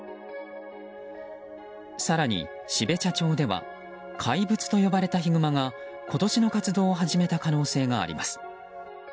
更に、標茶町では怪物と呼ばれたヒグマが今年の活動を始めた可能性があります。